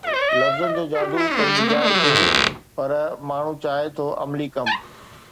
لفظن جو جادو پنهنجي جاءِ تي پر ماڻهو چاهي ٿو عملي ڪم